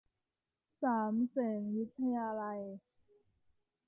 สามเสนวิทยาลัย